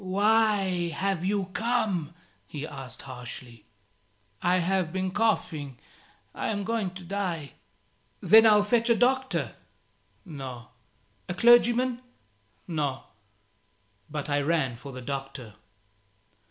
"Why have you come?" he asked, harshly. "I have been coughing. I am going to die." "Then I'll fetch a doctor." "No." "A clergyman?" "No." But I ran for the doctor.